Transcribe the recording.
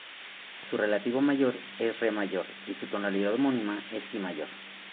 Su relativo mayor es Re mayor, y su tonalidad homónima es Si mayor.